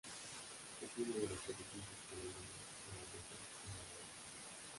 Es uno de los edificios coloniales holandeses en Medan.